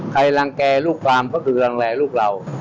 ใครลังแกลูกความก็คือลังแกลูกเรา